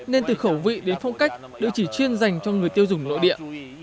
nên từ khẩu vị đến phong cách đều chỉ chuyên dành cho người tiêu dùng nội địa